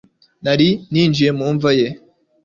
Nari ninjiye mu mva ye